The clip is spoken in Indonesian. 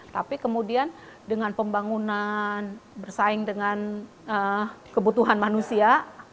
tapi kemudian dengan pembangunan bersaing dengan kebutuhan manusia